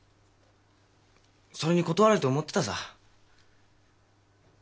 それに断られると思ってたさぁ。